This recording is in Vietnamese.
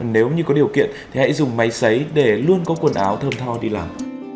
nếu như có điều kiện thì hãy dùng máy sấy để luôn có quần áo thơm thoa đi làm